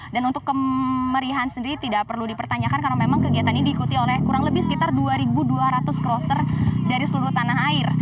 dan untuk kemerihan sendiri tidak perlu dipertanyakan karena memang kegiatannya diikuti oleh kurang lebih sekitar dua dua ratus crosser dari seluruh tanah air